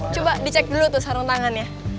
coba dicek dulu tuh sarung tangannya